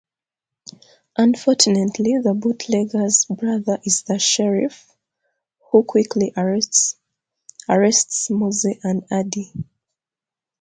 Unfortunately the bootlegger's brother is the sheriff, who quickly arrests Moze and Addie.